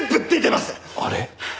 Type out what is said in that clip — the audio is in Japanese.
あれ？